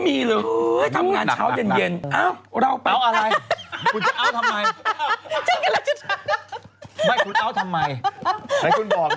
ให้คุณบอกสิ